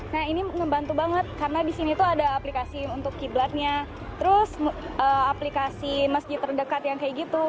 nah ini membantu banget karena di sini tuh ada aplikasi untuk qiblatnya terus aplikasi masjid terdekat yang kayak gitu